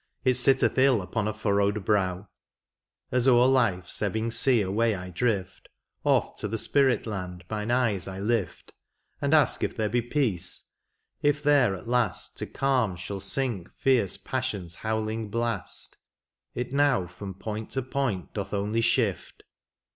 It sitteth ill upon a fiirrowed brow : As o'er life's ebbing sea away I drift, Oft to the spirit land mine eyes I lift. And ask if there be peace, if there at last To calm shall sink fierce passion's howling blast ; It now from point to point doth only shift.